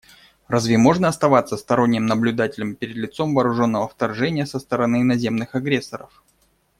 Разве можно оставаться сторонним наблюдателем перед лицом вооруженного вторжения со стороны иноземных агрессоров?